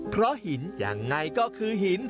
เพราะหินยังไงก็คือหิน